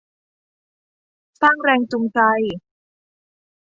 สร้างแรงจูงใจ